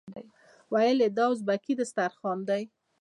ویل یې دا ازبکي دسترخوان دی.